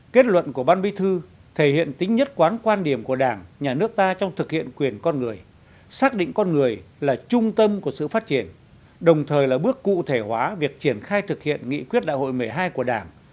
kết luận của ban bí thư thể hiện tính nhất quán quan điểm của đảng nhà nước ta trong thực hiện quyền con người xác định con người là trung tâm của sự phát triển đồng thời là bước cụ thể hóa việc triển khai thực hiện nghị quyết đại hội một mươi hai của đảng